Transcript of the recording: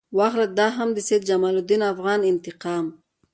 واخله دا هم د سید جمال الدین افغاني انتقام.